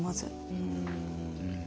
うん。